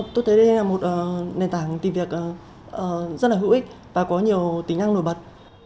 tôi thấy đây là một nền tảng tìm việc rất là hữu ích và có nhiều tính năng nổi bật